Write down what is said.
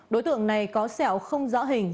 đối tượng này có sẹo không rõ hình